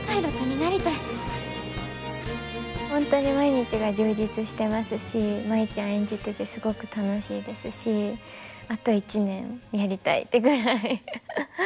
本当に毎日が充実してますし舞ちゃん演じててすごく楽しいですしあと１年やりたいってぐらいハハハ。